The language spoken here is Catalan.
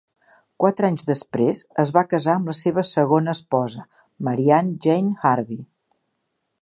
Quatre anys després es va casar amb la seva segona esposa, Marianne Jane Harvey.